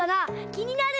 きになる。